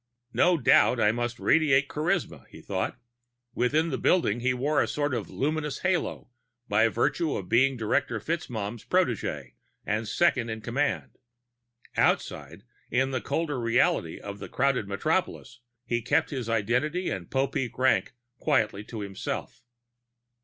No doubt I must radiate charisma, he thought. Within the building he wore a sort of luminous halo, by virtue of being Director FitzMaugham's protégé and second in command. Outside, in the colder reality of the crowded metropolis, he kept his identity and Popeek rank quietly to himself.